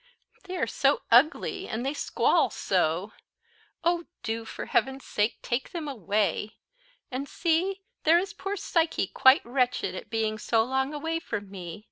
They are so ugly, and they squall so! Oh do, for heaven's sake, take them away! And see, there is poor Psyche quite wretched at being so long away from me.